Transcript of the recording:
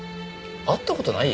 会ったことない？